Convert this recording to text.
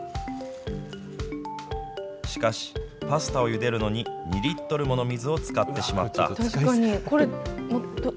しかし、パスタをゆでるのに２リットルもの水を使ってしまった。